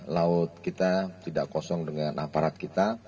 laut kita tidak kosong dengan aparat kita